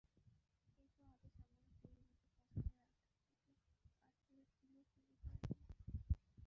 এরপর হাতে সামান্য তেল মেখে পছন্দের আকৃতিতে কাটলেটগুলো তৈরি করে নিন।